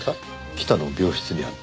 北の病室にあった。